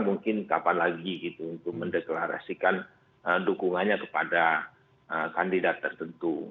mungkin kapan lagi gitu untuk mendeklarasikan dukungannya kepada kandidat tertentu